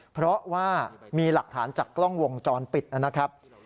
เพราะว่ามีหลักฐานจากกล้องวงจรปิดนะครับ